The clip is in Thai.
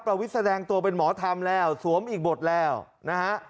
วิทย์แสดงตัวเป็นหมอธรรมแล้วสวมอีกบทแล้วนะฮะ